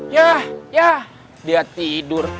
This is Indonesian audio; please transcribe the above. ya ya dia tidur